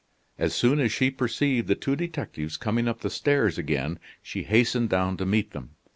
As soon as she perceived the two detectives coming up the stairs again, she hastened down to meet them.